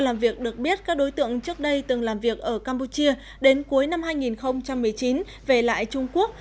nhất các đối tượng trước đây từng làm việc ở campuchia đến cuối năm hai nghìn một mươi chín về lại trung quốc